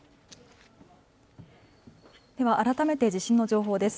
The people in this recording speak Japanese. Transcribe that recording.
改めて地震の情報です。